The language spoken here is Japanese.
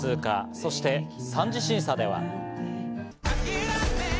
そして３次審査では。